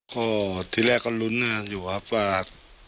ก็ที่แรกก็ลุ้นอยู่ครับว่า